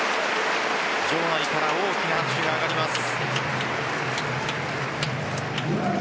場内から大きな拍手が上がります。